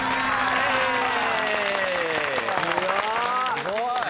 すごい！